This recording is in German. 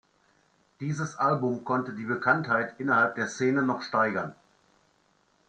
Dieses Album konnte die Bekanntheit innerhalb der Szene noch steigern.